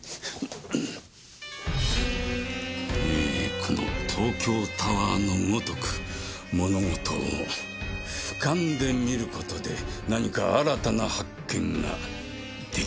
この東京タワーのごとく物事を俯瞰で見る事で何か新たな発見ができるかもしれん。